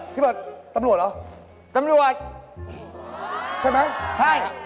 พี่เบิร์ดตำรวจเหรอตำรวจใช่ไหมใช่